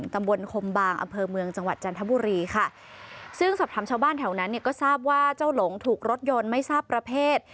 ตำบลคมบางอำเภอเมืองจังหวัดจันทบุรีค่ะซึ่งสอบถามชาวบ้านแถวนั้นเนี่ยก็ทราบว่าเจ้าหลงถูกรถยนต์ไม่ทราบประเภท